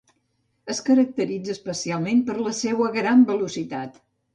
Es caracteritza especialment per la seua gran velocitat.